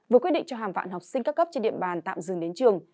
vừa quyết định cho hàng vạn học sinh ca cấp trên điện bàn tạm dừng đến trường